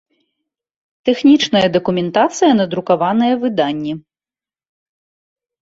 Тэхнiчная дакументацыя на друкаваныя выданнi